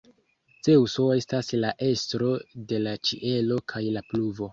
Zeŭso estas la estro de la ĉielo kaj la pluvo.